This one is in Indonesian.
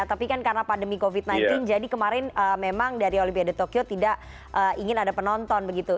tapi kan karena pandemi covid sembilan belas jadi kemarin memang dari olimpiade tokyo tidak ingin ada penonton begitu